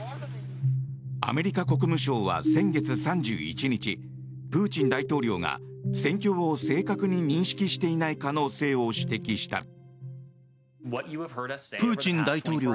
アメリカ国務省は先月３１日プーチン大統領が戦況を正確に認識していない可能性を指摘した。